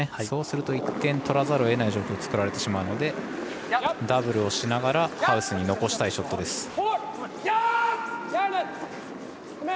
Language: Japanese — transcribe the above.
そうすると１点を取らざるをえない状況を作られますのでダブルをしながらハウスに残したいショットです。